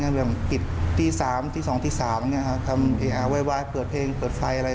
เปิดอีกที่๓ทำไออาร์ไว้เพิ่มเฟลงเพิ่มไฟอะไร